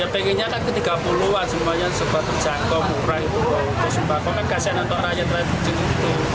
pengennya kan ke tiga puluh an semuanya sempat terjangkau murah itu sembako kan kasihan untuk rakyat rakyat kecil itu